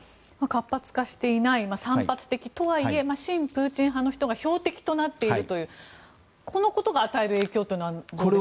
活発化していない散発的とはいえ親プーチン派の人たちが標的となっているというこのことが与える影響というのはどうでしょう？